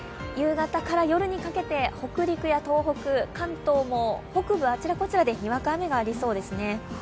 夕方から夜にかけて、北陸や東北、関東も北部あちらこちらでにわか雨がありそうですね。